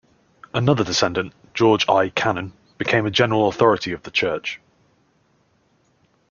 Another descendant, George I. Cannon, became a general authority of the church.